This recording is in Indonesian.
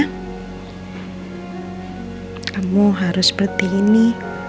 kamu harus seperti ini